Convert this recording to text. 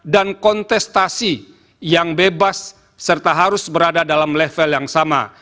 dan kontestasi yang bebas serta harus berada dalam level yang sama